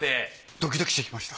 ドキドキしてきました。